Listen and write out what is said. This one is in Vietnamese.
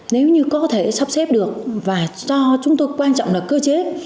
nếu như có thể sắp xếp được và cho chúng tôi quan trọng là cơ chế